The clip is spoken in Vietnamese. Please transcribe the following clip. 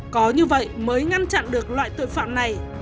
có như vậy mới ngăn chặn được loại tội phạm này